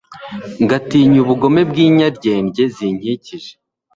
ngatinya ubugome bw’inyaryenge zinkikije